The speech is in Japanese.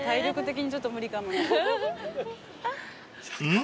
［ん？